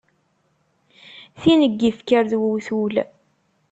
Tin n yifker d uwtul.